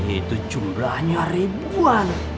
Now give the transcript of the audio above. itu jumlahnya ribuan